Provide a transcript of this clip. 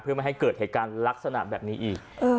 เพื่อไม่ให้เกิดเหตุการณ์ลักษณะแบบนี้อีก